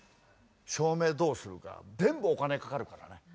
照明どうするか全部お金かかるからね。